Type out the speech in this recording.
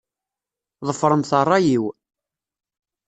Ḍefṛemt ṛṛay-iw.